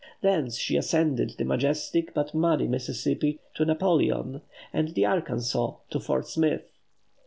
Thence she ascended the majestic but muddy Mississippi to Napoleon, and the Arkansas to Fort Smith.